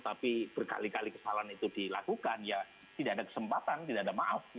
tapi berkali kali kesalahan itu dilakukan ya tidak ada kesempatan tidak ada maaf